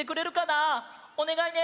おねがいね！